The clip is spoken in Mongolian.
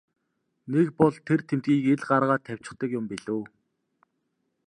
Нэг бол тэр тэмдгийг ил гаргаад тавьчихдаг юм билүү.